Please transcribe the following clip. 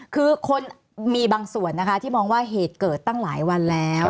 คือคนมีบางส่วนนะคะที่มองว่าเหตุเกิดตั้งหลายวันแล้ว